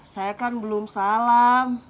saya kan belum salam